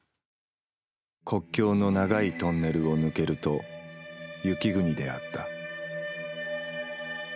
国境の長いトンネルを抜けると雪国であった。